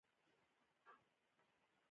نیت خیر ته اړتیا لري